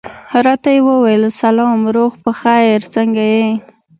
راته یې وویل سلام، روغ په خیر، څنګه یې؟